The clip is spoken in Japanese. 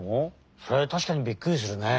それはたしかにびっくりするね。